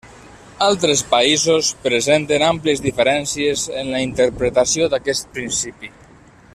Altres països presenten àmplies diferències en la interpretació d'aquest principi.